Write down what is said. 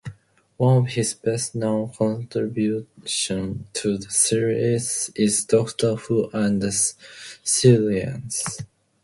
One of his best-known contributions to the series is "Doctor Who and the Silurians".